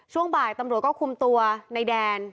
ช่วงบ่ายตำรวจก็คุมตัวในแดน